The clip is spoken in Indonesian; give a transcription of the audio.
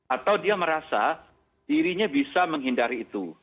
atau dia merasa dirinya bisa menghindari itu